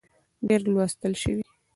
ډېر لوستل شوي